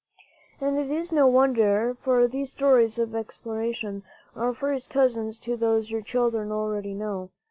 And it is no wonder; for these stories of exploration are first cousins to those your children already know.